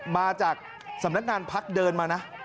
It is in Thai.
มาจากสำนักงานพักเดินมานะ